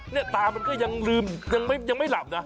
ตามันก็ยังลืมยังไม่หลับนะ